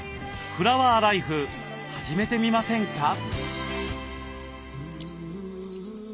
フラワーライフ始めてみませんか？